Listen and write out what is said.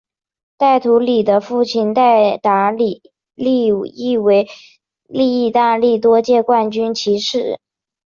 戴图理的父亲戴达利亦为意大利多届冠军骑师。